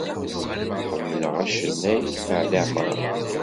Ḥemleɣ acennay Ɛli Ɛemran.